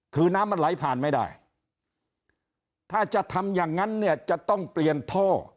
คือน้ำมันไหลผ่านไม่ได้ถ้าจะทำอย่างนั้นเนี่ยจะต้องเปลี่ยนท่อ